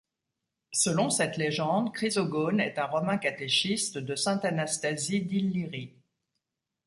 Selon cette légende, Chrysogone est un romain catéchiste de sainte Anastasie d'Illyrie.